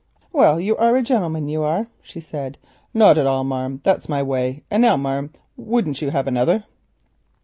"Well, you are a gentleman, you are," she said. "Not at all, marm. That's my way. And now, marm, won't you have another?"